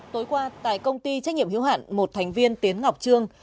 tối qua tại công ty trách nhiệm hiếu hạn một thành viên tiến ngọc trương